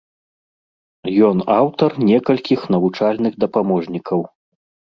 Ён аўтар некалькіх навучальных дапаможнікаў.